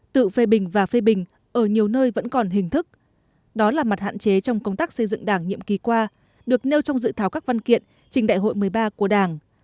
tự phê bình và phê bình ở nhiều nơi vẫn còn hình thức đó là mặt hạn chế trong công tác xây dựng đảng nhiệm kỳ qua được nêu trong dự thảo các văn kiện trình đại hội một mươi ba của đảng